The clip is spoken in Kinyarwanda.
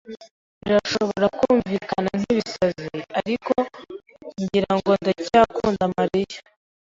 Birashobora kumvikana nkibisazi, ariko ngira ngo ndacyakunda Mariya.